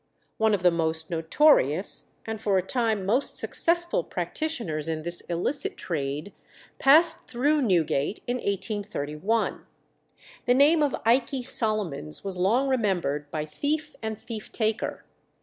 One of the most notorious, and for a time most successful practitioners in this illicit trade, passed through Newgate in 1831. The name of Ikey Solomons was long remembered by thief and thief taker.